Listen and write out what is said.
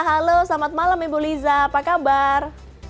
halo selamat malam ibu liza apa kabar